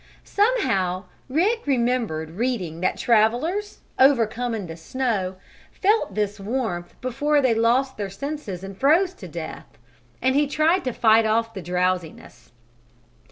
Somehow Rick remembered reading that travelers, overcome in the snow, felt this warmth before they lost their senses and froze to death. And he tried to fight off the drowsiness.